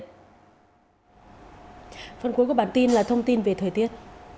phần cuối của bản tin là thông tin về thời tiết